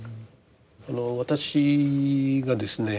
私がですね